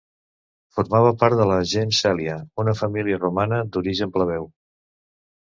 Formava part de la gens Cèlia, una família romana d'origen plebeu.